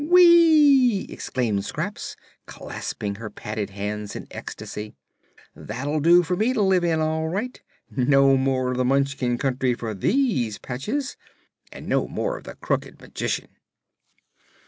"Whee!" exclaimed Scraps, clasping her padded hands in ecstacy, "that'll do for me to live in, all right. No more of the Munchkin Country for these patches and no more of the Crooked Magician!"